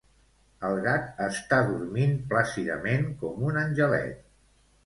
El gat està dormint plàcidament, com un angelet.